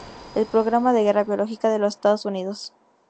El programa de guerra biológica de los Estados Unidos.